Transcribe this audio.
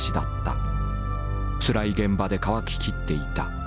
つらい現場で乾ききっていた。